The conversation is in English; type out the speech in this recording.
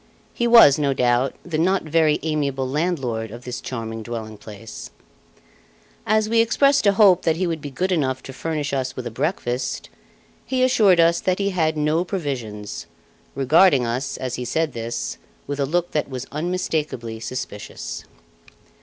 He was, no doubt, the not very amiable landlord of this charming dwelling place. As we expressed a hope that he would be good enough to furnish us with a breakfast, he assured us that he had no provisions, regarding us, as he said this, with a look that was unmistakably suspicious.